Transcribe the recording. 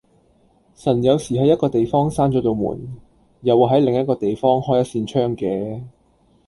神有時喺一個地方閂左度門，又會喺另一個地方開一扇窗嘅